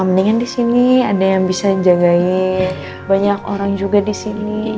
mendingan di sini ada yang bisa jagain banyak orang juga di sini